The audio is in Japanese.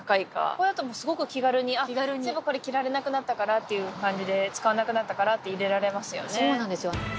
ここだともうすごく気軽にそういえばこれ着られなくなったからっていう感じで使わなくなったからって入れられますよね